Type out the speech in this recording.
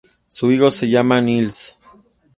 Su hijo se llama Nils.